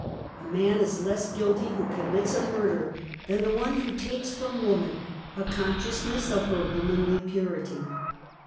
A man is less guilty who commits a murder, than the one who takes from woman a consciousness of her womanly purity.